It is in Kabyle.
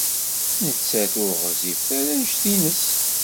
Nettat ur ɣezzifet ara anect-nnes.